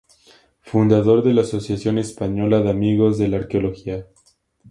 Fundador de la Asociación Española de Amigos de la Arqueología.